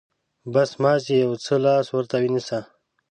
بس، مازې يو څه لاس ورته نيسه.